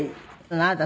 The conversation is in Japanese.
あなた